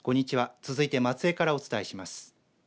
続いて松江からお伝えします。